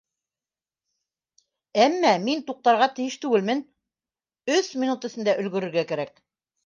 Әммә мин туҡтарға тейеш түгелмен, өс минут эсендә өлгөрөргә кәрәк.